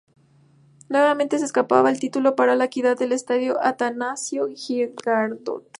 Nuevamente se escapaba el título para La Equidad en el Estadio Atanasio Girardot.